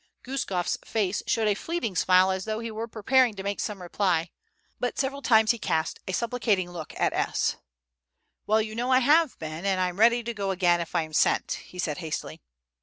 Guskof's face showed a fleeting smile as though he were preparing to make some reply, but several times he cast a supplicating look at S. "Well, you know I have been, and I'm ready to go again if I am sent," he said hastily.